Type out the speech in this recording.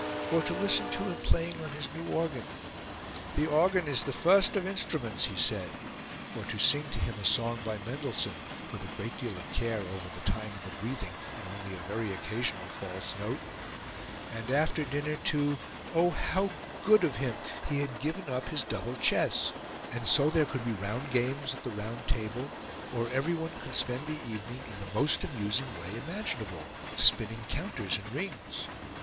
Or to listen to him playing on his new organ 'The organ is the first of instruments,' he said; or to sing to him a song by Mendelssohn, with a great deal of care over the time and the breathing, and only a very occasional false note! And, after dinner, to oh, how good of him! He had given up his double chess! And so there could be round games at the round table, or everyone could spend the evening in the most amusing way imaginable spinning counters and rings.'